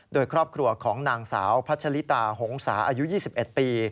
โดยครอบครัวของนางสาวพัชลิตาหงษาอายุ๒๑ปี